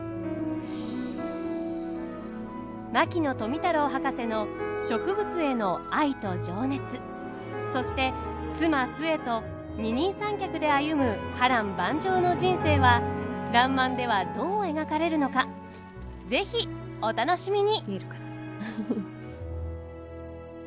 牧野富太郎博士の植物への愛と情熱そして妻壽衛と二人三脚で歩む波乱万丈の人生は「らんまん」ではどう描かれるのか是非お楽しみに。